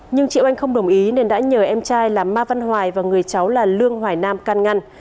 nhưng chị oanh không đồng ý nên đã nhờ em trai là ma văn hoài và người cháu là lương hoài nam can ngăn